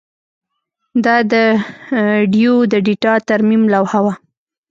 دا د ډیو د ډیټا ترمیم لوحه وه